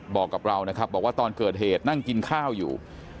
บอกกับเรานะครับบอกว่าตอนเกิดเหตุนั่งกินข้าวอยู่